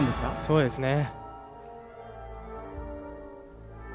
そうですね。